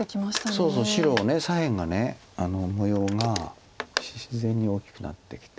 そうそう白左辺が模様が自然に大きくなってきて。